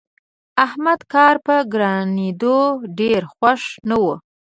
احمد کار په ګرانېدو ډېر خوښ نه وو.